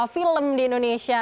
film di indonesia